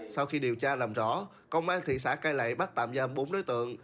sau khi điều tra làm rõ công an thị xã cai lậy bắt tạm giam bốn đối tượng